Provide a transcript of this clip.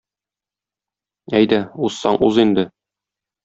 Әйдә, узсаң уз инде